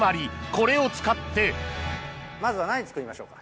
これを使ってまずは何作りましょうか？